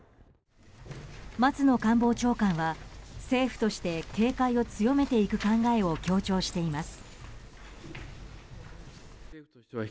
松野官房長官は政府として警戒を強めていく考えを強調しています。